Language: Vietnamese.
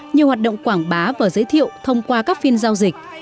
nhiều hoạt động quảng bá và giới thiệu thông qua các phiên giao dịch